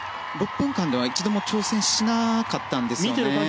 ６分間でも一度も挑戦しなかったんですよね。